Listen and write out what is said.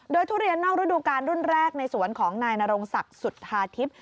โดยทุเรียนนอกฤดูการรุ่นแรกในสวนของนายนรงศักดิ์สุธาทิพย์